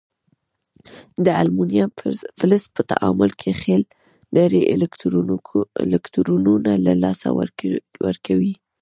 د المونیم فلز په تعامل کې خپل درې الکترونونه له لاسه ورکوي.